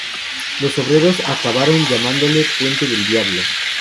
Los obreros acabaron llamándolo Puente del Diablo.